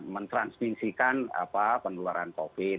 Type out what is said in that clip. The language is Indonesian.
mentranspinsikan pendularan covid